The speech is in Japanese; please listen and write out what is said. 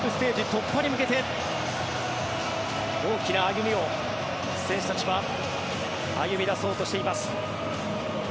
突破に向けて大きな歩みを、選手たちは歩み出そうとしています。